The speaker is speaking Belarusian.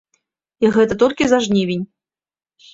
І гэта толькі за жнівень.